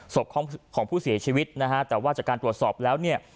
ศพของผู้เสียชีวิตนะฮะแต่ว่าจากการตรวจสอบแล้วเนี่ย